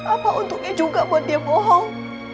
apa untungnya juga buat dia bohong